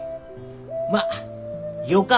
まあよか